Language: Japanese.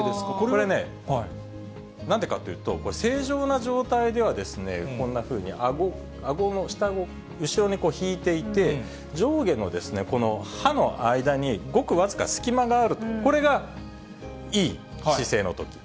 これね、なんでかっていうと、正常な状態では、こんなふうにあごの下あご、後ろに引いていて、上下のこの歯の間に、ごく僅か隙間があると、これがいい姿勢のとき。